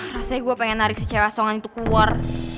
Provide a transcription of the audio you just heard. rasanya gue pengen narik si cewek asongan itu keluar